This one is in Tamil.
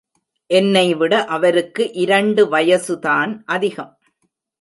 என்னைவிட அவருக்கு இரண்டு வயசு தான் அதிகம்.